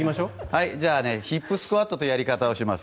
じゃあ、ヒップスクワットというやり方をします。